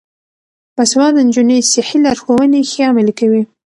باسواده نجونې صحي لارښوونې ښې عملي کوي.